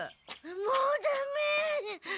もうダメ。